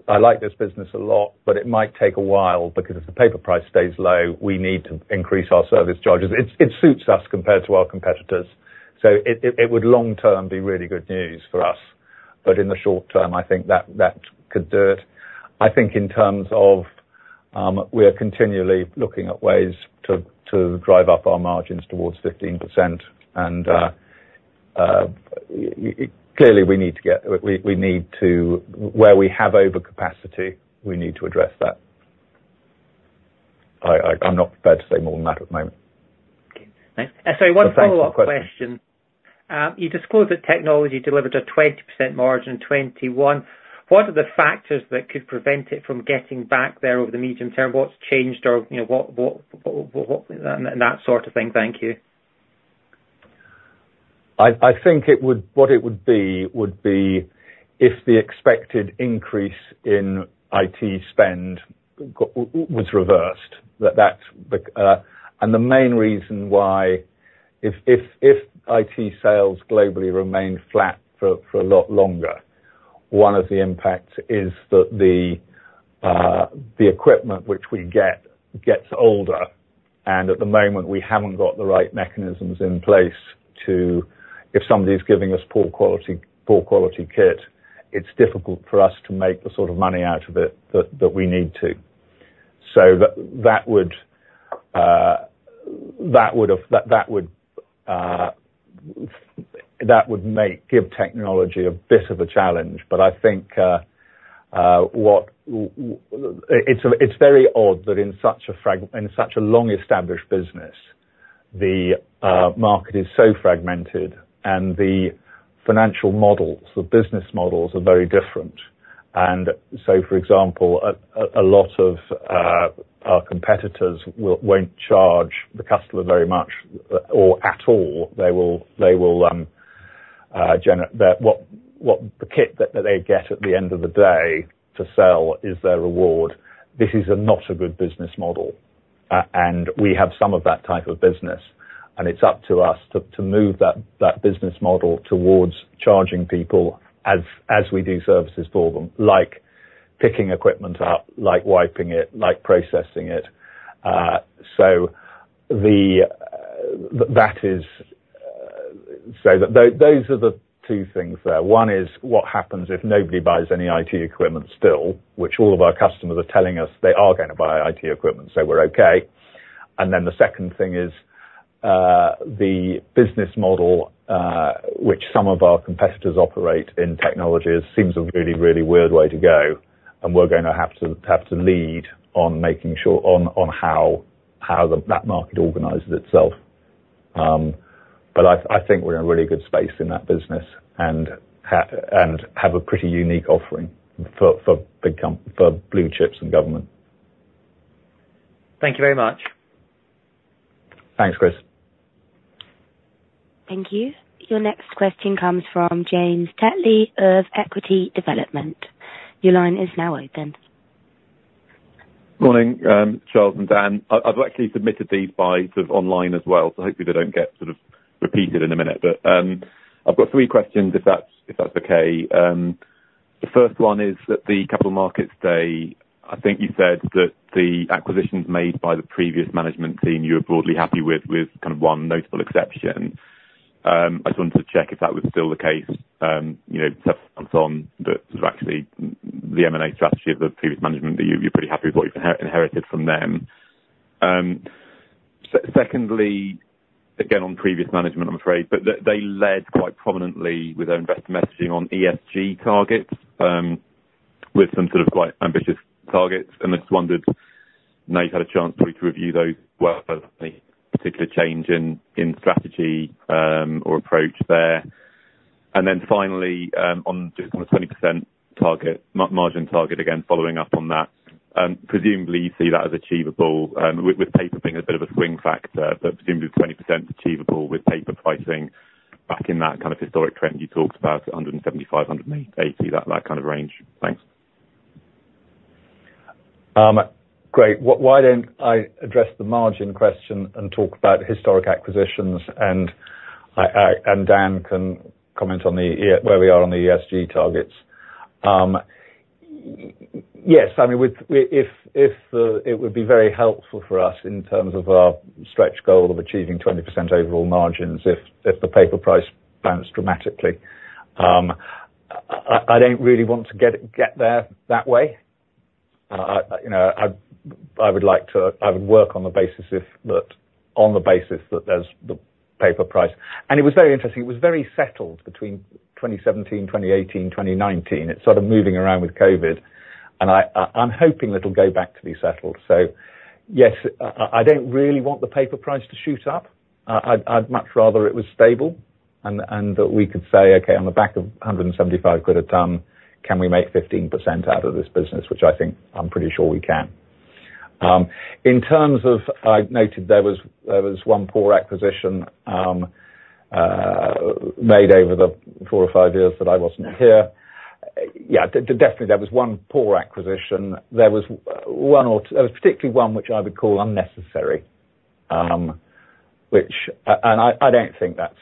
S2: I like this business a lot, but it might take a while because if the paper price stays low, we need to increase our service charges. It suits us compared to our competitors, so it would long term be really good news for us. But in the short term, I think that, that could do it. I think in terms of, we are continually looking at ways to drive up our margins towards 15% and clearly we need to. Where we have overcapacity, we need to address that. I'm not prepared to say more than that at the moment.
S8: Okay, thanks. Sorry, one follow-up question.
S1: Thanks for the question.
S3: You disclosed that Technology delivered a 20% margin in 2021. What are the factors that could prevent it from getting back there over the medium term? What's changed or, you know, and that sort of thing? Thank you.
S1: I think it would be what it would be if the expected increase in IT spend was reversed. That that's the. And the main reason why, if IT sales globally remain flat for a lot longer, one of the impacts is that the equipment which we get gets older, and at the moment we haven't got the right mechanisms in place to. If somebody's giving us poor quality, poor quality kit, it's difficult for us to make the sort of money out of it that we need to. So that would have, that would make, give Technology a bit of a challenge. But I think what it is, it's very odd that in such a long-established business, the market is so fragmented and the financial models, the business models, are very different. And so, for example, a lot of our competitors won't charge the customer very much, or at all. They will, the kit that they get at the end of the day to sell is their reward. This is not a good business model, and we have some of that type of business, and it's up to us to move that business model towards charging people as we do services for them, like picking equipment up, like wiping it, like processing it. So, that is... So those are the two things there. One is what happens if nobody buys any IT equipment still, which all of our customers are telling us they are gonna buy IT equipment, so we're okay. And then the second thing is the business model which some of our competitors operate in technologies seems a really, really weird way to go, and we're gonna have to lead on making sure how that market organizes itself. But I think we're in a really good space in that business and have a pretty unique offering for big companies, blue chips and government.
S8: Thank you very much.
S1: Thanks, Chris.
S7: Thank you. Your next question comes from James Tetley of Equity Development. Your line is now open.
S9: Morning, Charles and Dan. I've actually submitted these by sort of online as well, so hopefully they don't get sort of repeated in a minute. I've got three questions, if that's okay. The first one is that the capital markets day, I think you said that the acquisitions made by the previous management team, you were broadly happy with, with kind of one notable exception. I just wanted to check if that was still the case, you know, several months on, that actually, the M&A strategy of the previous management, that you, you're pretty happy with what you've inherited from them. Secondly, again, on previous management, I'm afraid, but they, they led quite prominently with their invest messaging on ESG targets, with some sort of quite ambitious targets. I just wondered, now you've had a chance to review those, well, particular change in strategy or approach there. And then finally, on the 20% target, margin target, again, following up on that, presumably you see that as achievable, with paper being a bit of a swing factor, but presumably 20% is achievable with paper pricing back in that kind of historic trend you talked about, 175 to 180, that kind of range. Thanks.
S1: Great. Why don't I address the margin question and talk about historic acquisitions, and Dan can comment on where we are on the ESG targets? Yes, I mean, if, if, it would be very helpful for us in terms of our stretch goal of achieving 20% overall margins, if, if the paper price bounced dramatically. I don't really want to get there that way. You know, I would work on the basis that there's the paper price. And it was very interesting, it was very settled between 2017, 2018, 2019. It's sort of moving around with COVID, and I'm hoping it'll go back to be settled. So yes, I don't really want the paper price to shoot up. I'd much rather it was stable, and that we could say, "Okay, on the back of 175 quid a ton, can we make 15% out of this business?" Which I think I'm pretty sure we can. In terms of... I noted there was one poor acquisition made over the four or five years that I wasn't here. Yeah, definitely, there was one poor acquisition. There was one. There was particularly one which I would call unnecessary, and I don't think that's.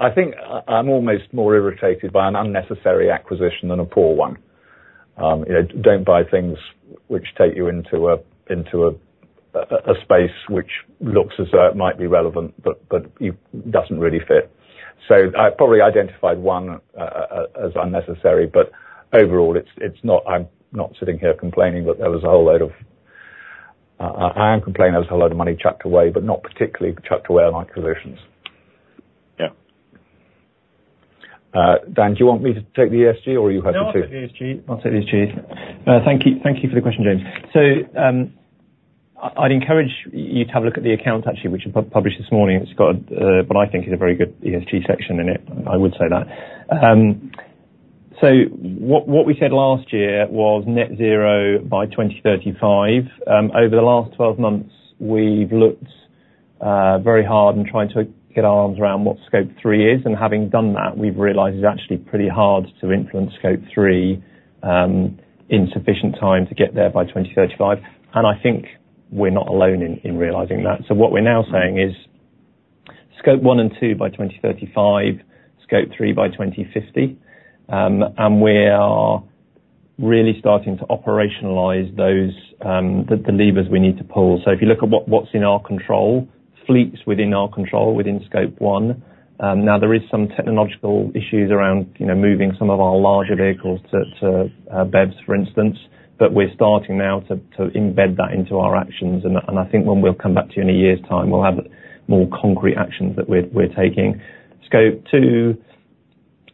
S1: I think I'm almost more irritated by an unnecessary acquisition than a poor one. You know, don't buy things which take you into a space which looks as though it might be relevant, but you doesn't really fit. So I probably identified one as unnecessary, but overall, it's not. I'm not sitting here complaining that there was a whole load of... I am complaining there was a whole load of money chucked away, but not particularly chucked away on acquisitions.
S9: Yeah.
S1: Dan, do you want me to take the ESG or you happy to?
S2: No, I'll take the ESG. I'll take the ESG. Thank you, thank you for the question, James. So, I'd encourage you to have a look at the accounts, actually, which was published this morning. It's got what I think is a very good ESG section in it. I would say that. So what we said last year was Net Zero by 2035. Over the last 12 months, we've looked very hard in trying to get our arms around what Scope 3 is, and having done that, we've realized it's actually pretty hard to influence Scope 3 in sufficient time to get there by 2035, and I think we're not alone in realizing that. So what we're now saying is Scope 1 and 2 by 2035, Scope 3 by 2050. And we are really starting to operationalize those, the levers we need to pull. So if you look at what's in our control, fleet's within our control, within Scope 1. Now, there is some technological issues around, you know, moving some of our larger vehicles to EVs, for instance, but we're starting now to embed that into our actions, and I think when we'll come back to you in a year's time, we'll have more concrete actions that we're taking. Scope 2,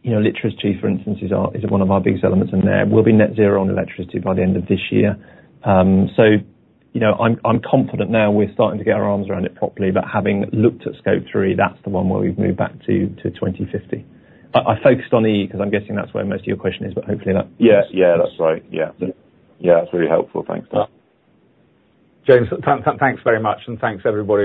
S2: you know, electricity, for instance, is one of our biggest elements in there. We'll be Net Zero on electricity by the end of this year. So you know, I'm confident now we're starting to get our arms around it properly, but having looked at Scope 3, that's the one where we've moved back to 2050. I focused on E, 'cause I'm guessing that's where most of your question is, but hopefully that
S9: Yeah. Yeah, that's right. Yeah. Yeah, that's really helpful. Thanks, Dan.
S1: James, thanks very much, and thanks, everybody.